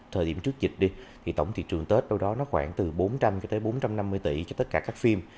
thời điểm trước dịch đi thì tổng thị trường tết đâu đó nó khoảng từ bốn trăm linh cho tới bốn trăm năm mươi tỷ cho tất cả các phim